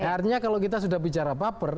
artinya kalau kita sudah bicara baper